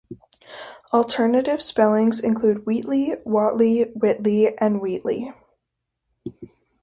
Alternative spellings include Wheatly, Whatley, Whitley, and Wheatleigh.